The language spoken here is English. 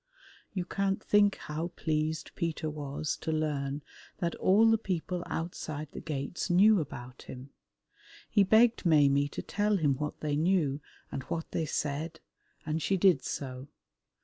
You can't think how pleased Peter was to learn that all the people outside the gates knew about him. He begged Maimie to tell him what they knew and what they said, and she did so.